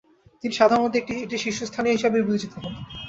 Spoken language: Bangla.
তিনি সাধারণত এটির শীর্ষস্থানীয় হিসাবে বিবেচিত হন।